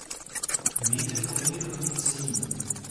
Медиапланирование взаимно.